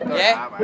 iya betul apa apa